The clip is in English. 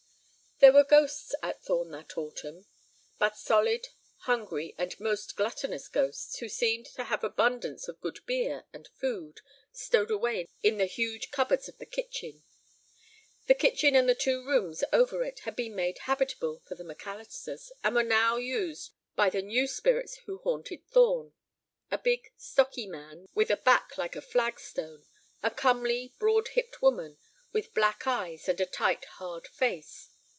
There were ghosts at Thorn that autumn—but solid, hungry, and most gluttonous ghosts, who seemed to have abundance of good beer and food stowed away in the huge cupboards of the kitchen. The kitchen and the two rooms over it had been made habitable for the MacAlisters, and were now used by the new spirits who haunted Thorn—a big, stocky man, with a back like a flagstone; a comely, broad hipped woman, with black eyes and a tight, hard face.